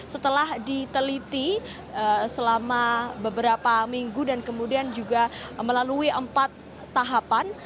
setelah diteliti selama beberapa minggu dan kemudian juga melalui empat tahapan